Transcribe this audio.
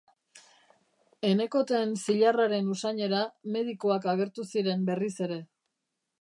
Enekoten zilarraren usainera, medikuak agertu ziren berriz ere.